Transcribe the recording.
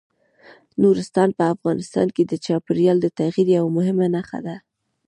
نورستان په افغانستان کې د چاپېریال د تغیر یوه مهمه نښه ده.